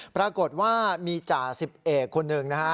ปรากฏว่ามีจ่า๑๐เอกคนหนึ่ง